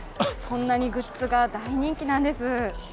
そんなにグッズが大人気なんです。